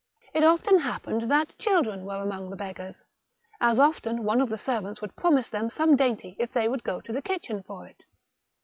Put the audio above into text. It often happened that children were among the beggars : as often one of the servants would promise them some dainty if they would go to the kitchen for it.